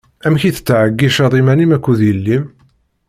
Amek i tettɛeyyiceḍ iman-im akked yelli-m?